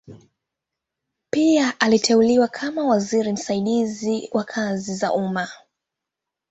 Pia aliteuliwa kama waziri msaidizi wa kazi za umma.